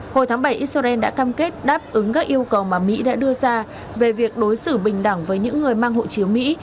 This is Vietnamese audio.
hồi tháng bảy israel đã cam kết đáp ứng các yêu cầu mà mỹ đã đưa ra về việc đối xử bình đẳng với những người mang hộ chiếu mỹ